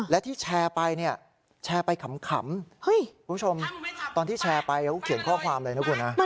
และที่แชร์ไปเนี่ยแชร์ไปขำคุณผู้ชมตอนที่แชร์ไปเขาเขียนข้อความเลยนะคุณนะ